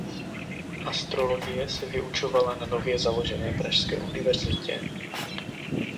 Astrologie se vyučovala na nově založené pražské univerzitě.